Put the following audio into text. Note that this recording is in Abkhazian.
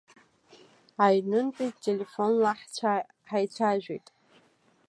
Аҩнынтәи телефонла ҳаицәажәеит.